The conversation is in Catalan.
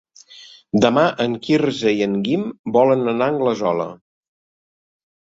Demà en Quirze i en Guim volen anar a Anglesola.